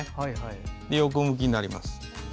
そして横向きになります。